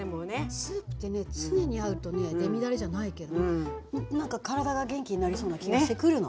スープってね常にあるとねレミだれじゃないけれども何か体が元気になりそうな気がしてくるの。